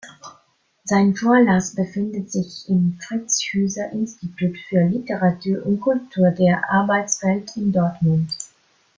Sein Vorlass befindet sich im Fritz-Hüser-Institut für Literatur und Kultur der Arbeitswelt in Dortmund.